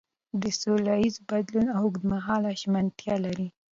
ده د سولهییز بدلون اوږدمهاله ژمنتیا لري.